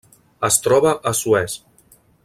Es troba a Suez.